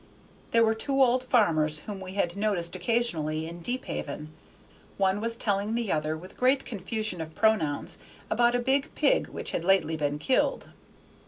There were two old farmers whom we had noticed occasionally in Deephaven; one was telling the other, with great confusion of pronouns, about a big pig which had lately been killed.